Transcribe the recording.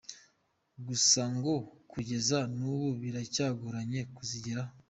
Gusa ngo kugeza n’ubu, biracyagoranye kuzigeraho.